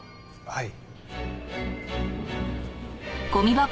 はい。